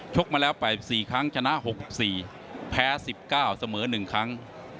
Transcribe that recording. กมาแล้ว๘๔ครั้งชนะ๖๔แพ้๑๙เสมอ๑ครั้ง